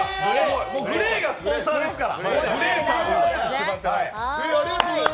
ＧＬＡＹがスポンサーですから。